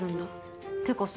ってかさ